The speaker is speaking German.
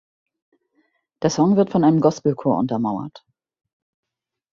Der Song wird von einem Gospelchor untermauert.